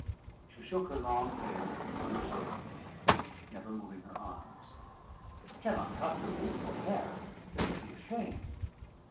She shook her long hair loose over me, never moving her arms. "I cannot cut your beautiful hair. It would be a shame."